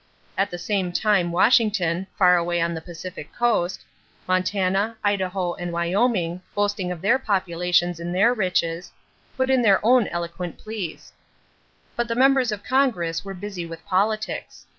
At the same time Washington, far away on the Pacific Coast, Montana, Idaho, and Wyoming, boasting of their populations and their riches, put in their own eloquent pleas. But the members of Congress were busy with politics.